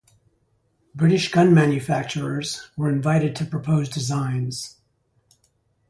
British gun manufacturers were invited to propose designs.